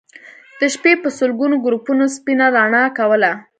د شپې به سلګونو ګروپونو سپينه رڼا کوله